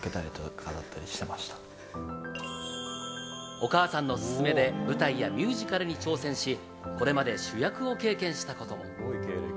お母さんのすすめで舞台やミュージカルに挑戦し、これまで主役を経験したことも。